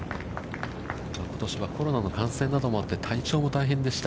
今年はコロナの感染などもあって、体調も大変でした。